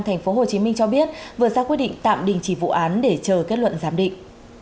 thành phố hồ chí minh cho biết vừa ra quyết định tạm đình chỉ vụ án để chờ kết luận giám định